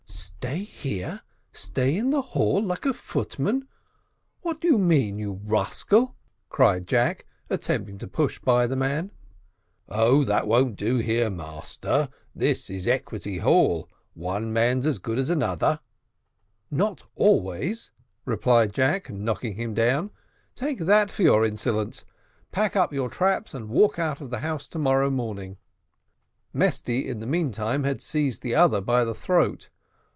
"Stay here! stay in the hall like a footman? What do you mean, you rascal?" cried Jack, attempting to push by the man. "Oh, that won't do here, master; this is Equality Hall; one man's as good as another." "Not always," replied Jack knocking him down. "Take that for your insolence, pack up your traps, and walk out of the house to morrow morning." Mesty in the meantime, had seized the other by the throat.